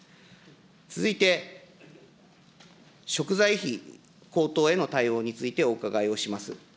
続いて、食材費高騰への対応について、お伺いをします。